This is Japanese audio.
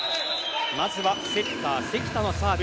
まずはセッター、関田のサーブ。